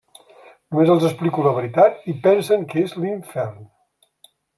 Només els explico la veritat i pensen que és l'Infern.